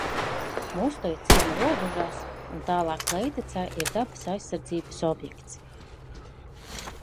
Mustoja ciema robežās un tālāk lejtecē ir dabas aizsardzības objekts.